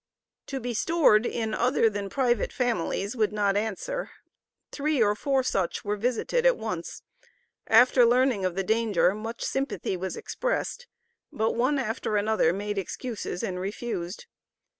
To be stored in other than private families would not answer. Three or four such were visited at once; after learning of the danger much sympathy was expressed, but one after another made excuses and refused.